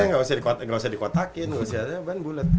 gak usah di kotakin